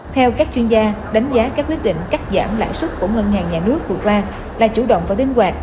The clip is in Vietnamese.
theo các chuyên gia đánh giá các quyết định cắt giảm lãi xuất của ngân hàng nhà nước vừa qua là chủ động và đến hoạt